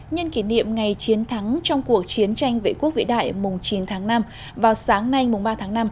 nhân kỷ niệm ngày chiến thắng trong cuộc chiến tranh vệ quốc vĩ đại chín tháng năm vào sáng nay mùng ba tháng năm